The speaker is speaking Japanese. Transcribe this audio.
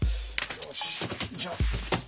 よしじゃあはい。